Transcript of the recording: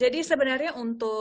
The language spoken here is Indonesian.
jadi sebenarnya untuk